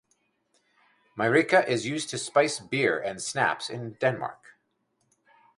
Myrica is used to spice beer and snaps in Denmark.